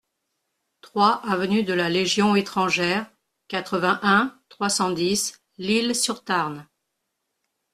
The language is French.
trois avenue de la Légion Etrangère, quatre-vingt-un, trois cent dix, Lisle-sur-Tarn